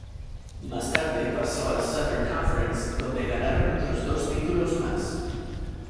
Más tarde pasó a la Southern Conference, donde ganaron otros dos títulos más.